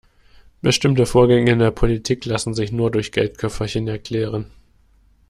Bestimmte Vorgänge in der Politik lassen sich nur durch Geldköfferchen erklären.